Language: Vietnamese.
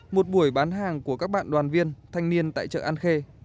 một buổi bán hàng của các bạn đoàn viên thanh niên tại chợ an khê